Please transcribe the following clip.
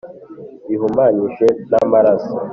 bihumanyije n’amaraso,